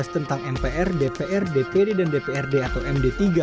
tentang mpr dpr dpd dan dprd atau md tiga